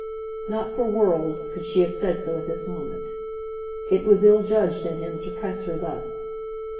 Not for worlds could she have said so at this moment. It was ill judged in him to press her thus.